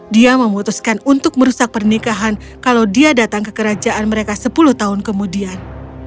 dia memutuskan untuk merusak pernikahan kalau dia datang ke kerajaan mereka sepuluh tahun kemudian